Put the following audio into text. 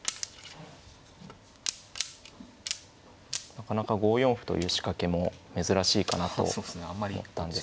なかなか５四歩という仕掛けも珍しいかなと思ったんですが。